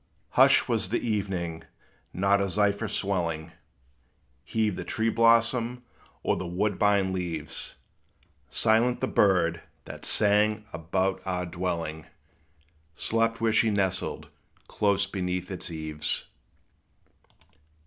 Hush was the evening; not a zephyr swelling Heaved the tree blossom, or the woodbine leaves; Silent the bird, that sang about our dwelling, Slept where she nestled, close beneath its eaves.